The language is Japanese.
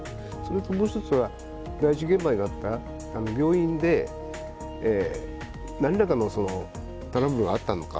もう一つは、第一現場になった病院で何らかのトラブルがあったのか。